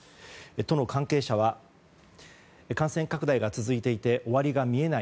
都の関係者は感染拡大が続いていて終わりが見えない。